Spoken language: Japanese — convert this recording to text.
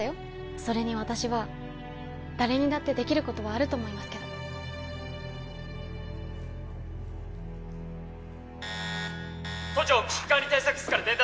それに私は誰にだってできることはあると思いますけど都庁危機管理対策室から伝達